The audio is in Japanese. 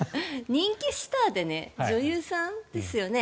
人気スターで女優さんですよね。